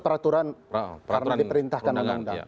peraturan karena diperintahkan undang undang